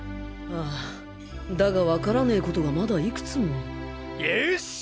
ああだがわからねぇことがまだ幾つもよしっ！